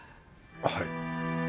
はい。